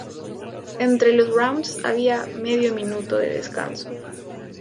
Entre los rounds había medio minuto de descanso.